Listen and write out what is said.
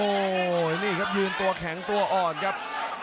โอ้โหนี่ครับยืนตัวแข็งตัวอ่อนครับ